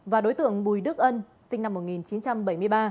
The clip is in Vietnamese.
và đối tượng bùi đức ân sinh năm một nghìn chín trăm bảy mươi ba